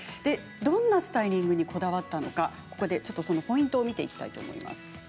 どんなスタイリングにこだわったのか、そのポイントを見ていきたいと思います。